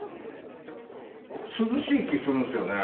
涼しい気、するんですよね。